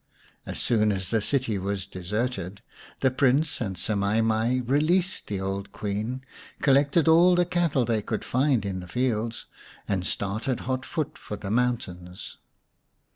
As soon as the city was deserted the Prince and Semai mai released the old Queen, collected all the cattle they could find in the fields, and started hot foot for the mountains.